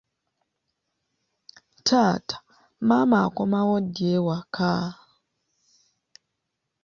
Taata, maama akomawo ddi ewaka?